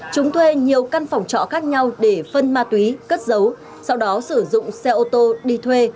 chúng thuê nhiều căn phòng trọ khác nhau để phân ma túy cất dấu sau đó sử dụng xe ô tô đi thuê